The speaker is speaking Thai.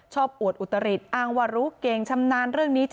อวดอุตริตอ้างว่ารู้เก่งชำนาญเรื่องนี้